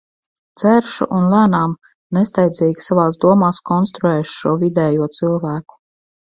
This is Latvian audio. Dzeršu un lēnām, nesteidzīgi savās domās konstruēšu šo vidējo cilvēku.